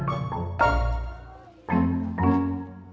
ayo kita mulai berjalan